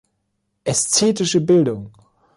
Ästhetische Bildung